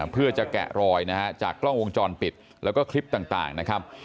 เพื่อจะแกะรอยนะฮะจากกล้องวงจรปิดแล้วก็คลิปต่างนะครับ